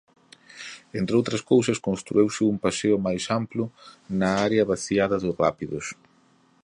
Entre outras cousas construíuse un paseo máis amplo na área vaciada dos rápidos.